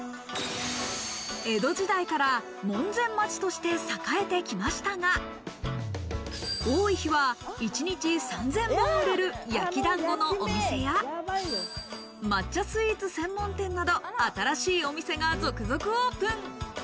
江戸時代から門前町として栄えてきましたが、多い日は一日３０００本売れる焼き団子のお店や抹茶スイーツ専門店など、新しいお店が続々オープン。